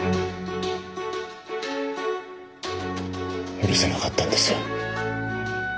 許せなかったんですよ